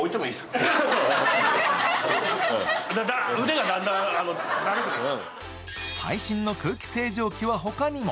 腕がだんだん最新の空気清浄機は他にも。